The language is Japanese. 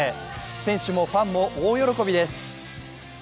選手もファンも大喜びです。